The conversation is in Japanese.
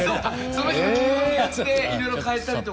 その日の気温によっていろいろ変えたりとか。